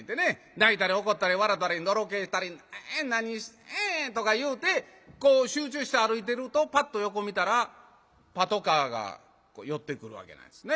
泣いたり怒ったり笑たりのろけたり「何してん」とか言うてこう集中して歩いてるとパッと横見たらパトカーが寄ってくるわけなんですね。